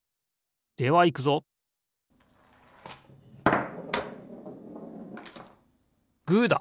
ではいくぞグーだ！